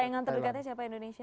sayang terdekatnya siapa indonesia